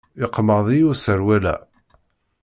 Yeqmeḍ-iyi userwal-a.